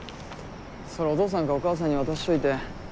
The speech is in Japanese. それお父さんかお母さんに渡しといて。